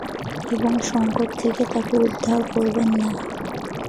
এবং সংকট থেকে তাকে উদ্ধার করবেন না?